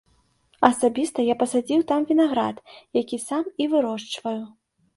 Асабіста я пасадзіў там вінаград, якія сам і вырошчваю.